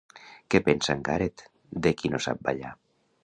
Què pensa en Garet de qui no sap ballar?